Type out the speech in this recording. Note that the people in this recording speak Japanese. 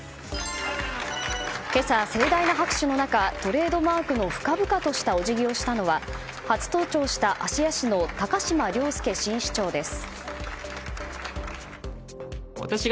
今朝、盛大な拍手の中トレードマークの深々としたお辞儀をしたのは初登庁した芦屋市の高島崚輔新市長です。